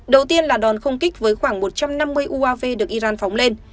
đầu tiên là đòn không kích với khoảng một trăm năm mươi uav được iran phóng lên